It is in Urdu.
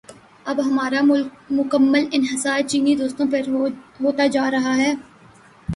اب ہمارا مکمل انحصار چینی دوستوں پہ ہوتا جا رہا ہے۔